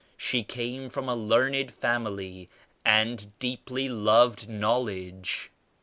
She came from a learned family and deeply loved knowledge.